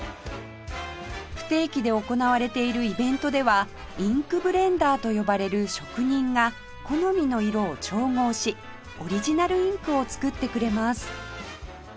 不定期で行われているイベントではインクブレンダーと呼ばれる職人が好みの色を調合しオリジナルインクを作ってくれます